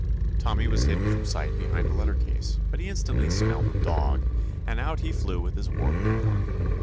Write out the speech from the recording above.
Tommy was hidden from sight behind a letter case, but he instantly smelt ''dog," and out he flew with his war paint on.